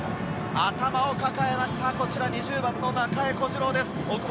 頭を抱えました、２０番の中江小次郎です。